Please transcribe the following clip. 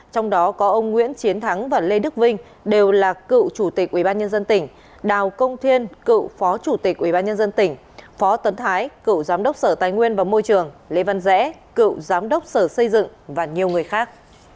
trong đó có ông nguyễn chiến thắng và lê đức vinh đều là cựu chủ tịch ubnd tp nha trang đào công thiên cựu phó chủ tịch ubnd tp nha trang phó tấn thái cựu giám đốc sở tài nguyên và môi trường lê văn rẽ cựu giám đốc sở xây dựng và nhiều người khác